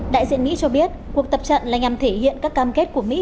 đại diện mỹ cho biết cuộc tập trận là nhằm thể hiện các cam kết của mỹ